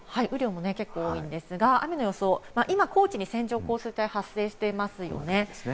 雨の予想を見ていきますと、雨量も結構多いんですが雨の予想、今、高知に線状降水帯が発生していますよね。